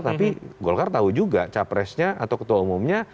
tapi golkar tahu juga capresnya atau ketua umumnya